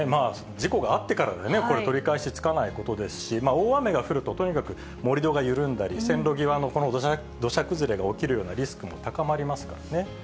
事故があってからではね、これ、取り返しつかないことですし、大雨が降ると、とにかく盛り土が緩んだり、線路際の土砂崩れが起きるようなリスクも高まりますからね。